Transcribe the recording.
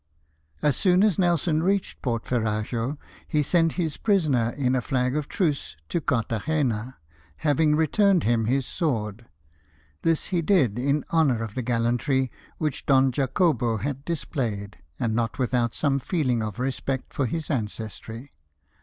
As soon as Nelson reached Porto Ferrajo he sent his prisoner in a flag of truce to Carthagena, having returned him his sword, this he did in honour of the gallantry which Don Jacobo had displayed, and not without some feeling of respect for his ancestry.